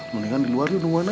mendingan di luar nungguinnya